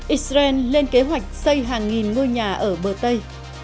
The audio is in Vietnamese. israel lên kế hoạch xây hàng nghìn ngôi nhà ở bờ tây